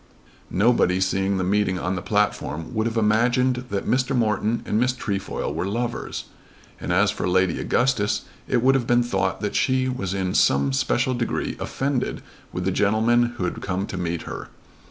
Nobody seeing the meeting on the platform would have imagined that Mr. Morton and Miss Trefoil were lovers, and as for Lady Augustus it would have been thought that she was in some special degree offended with the gentleman who had come to meet her.